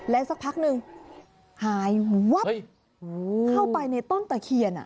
แล้วสักพักหนึ่งหายวับเข้าไปในต้นตะเคียนน่ะ